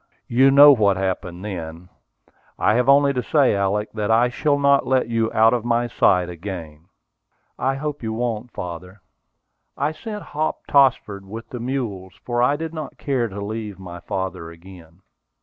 You know what happened then. I have only to say, Alick, that I shall not let you out of my sight again." "I hope you won't, father." I sent Hop Tossford with the mules, for I did not care to leave my father again.